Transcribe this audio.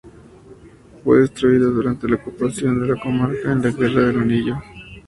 Fue destruida durante la ocupación de la Comarca en la Guerra del Anillo.